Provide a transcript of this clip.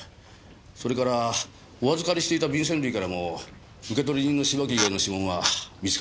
それからお預かりしていた便せん類からも受取人の芝木以外の指紋は見つかりませんでした。